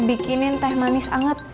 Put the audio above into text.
bikinin teh manis anget